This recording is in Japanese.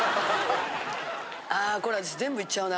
あこれ私全部いっちゃうな。